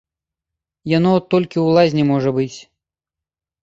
Яно от толькі ў лазні можа быць.